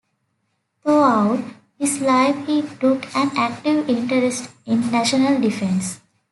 Throughout his life he took an active interest in national defence.